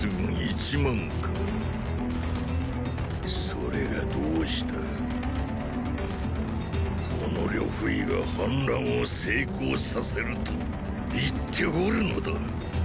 それがどうしたこの呂不韋が反乱を成功させると言っておるのだ。